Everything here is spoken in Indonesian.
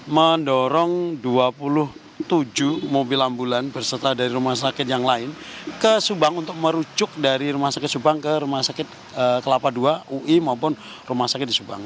mendorong dua puluh tujuh mobil ambulan berserta dari rumah sakit yang lain ke subang untuk merujuk dari rumah sakit subang ke rumah sakit kelapa ii ui maupun rumah sakit di subang